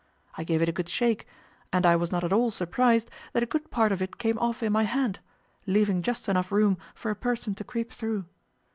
I gave it a good shake, and I was not at all surprised that a good part of it came off in my hand, leaving just enough room for a person to creep through.